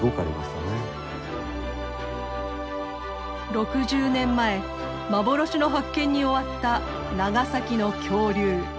６０年前幻の発見に終わった長崎の恐竜。